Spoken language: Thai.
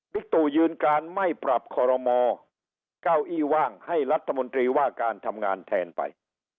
ตู่ยืนการไม่ปรับคอรมอเก้าอี้ว่างให้รัฐมนตรีว่าการทำงานแทนไป